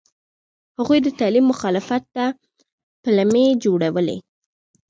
هغوی د تعلیم مخالفت ته پلمې جوړولې.